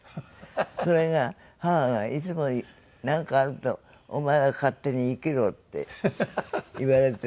それが母がいつもなんかあると「お前は勝手に生きろ」って言われてました。